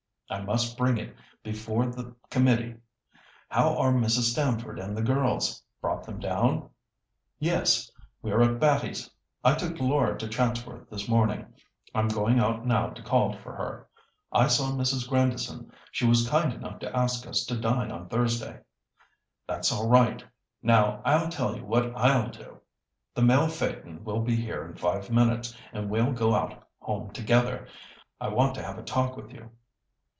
I must bring it before the committee. How are Mrs. Stamford and the girls? Brought them down?" "Yes, we're at Batty's. I took Laura to Chatsworth this morning; I'm going out now to call for her. I saw Mrs. Grandison; she was kind enough to ask us to dine on Thursday." "That's all right. Now I'll tell you what I'll do. The mail phaeton will be here in five minutes, and we'll go out home together. I want to have a talk with you.